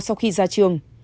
sau khi ra trường